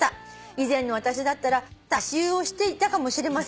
以前の私だったら足し湯をしていたかもしれません。